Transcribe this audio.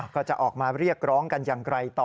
ก็จะออกมาเรียกร้องกันอย่างไรต่อ